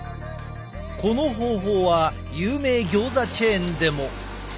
この方法は有名ギョーザチェーンでも。